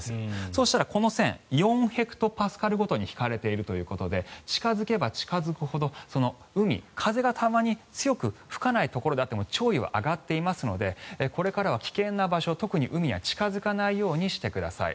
そしたら、この線４ヘクトパスカルごとに引かれているということで近付けば近付くほど海、風が強く吹かないところであっても潮位は上がっていますのでこれからは危険な場所特に海へは近付かないようにしてください。